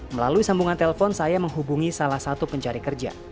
melalui sambungan telpon saya menghubungi salah satu pencari kerja